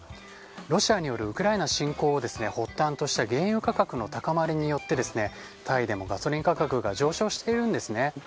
ロシアによるウクライナ侵攻を発端とした原油価格の高まりによってタイでもガソリン価格が上昇しているんですね。